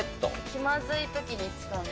気まずいときに使う。